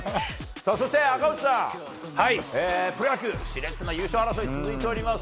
そして赤星さん、プロ野球熾烈な優勝争い続いています。